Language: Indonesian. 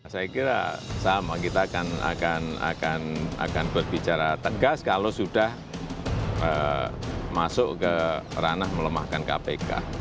saya kira sama kita akan berbicara tegas kalau sudah masuk ke ranah melemahkan kpk